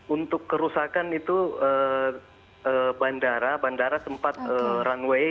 untuk kerusakan itu bandara bandara tempat runway itu